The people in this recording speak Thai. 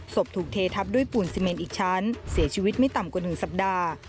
ถูกเททับด้วยปูนซีเมนอีกชั้นเสียชีวิตไม่ต่ำกว่า๑สัปดาห์